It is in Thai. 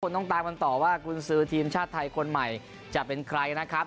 ต้องตามกันต่อว่ากุญสือทีมชาติไทยคนใหม่จะเป็นใครนะครับ